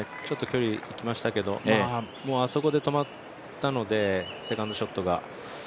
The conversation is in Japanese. ちょっと距離行きましたけど、もうあそこで止まったので、セカンドショットが。